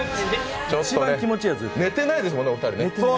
寝てないですもんね、お二人ね。